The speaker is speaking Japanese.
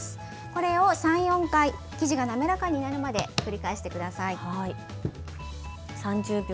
これを３、４回生地が滑らかになるまで繰り返してください。